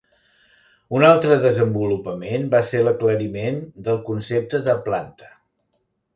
Un altre desenvolupament va ser l'aclariment del concepte de 'planta'.